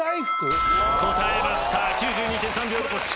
答えました９２．３秒残し。